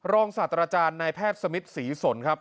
ศาสตราจารย์นายแพทย์สมิทศรีสนครับ